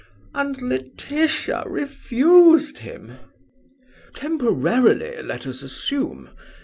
And Laetitia refused him?" "Temporarily, let us assume.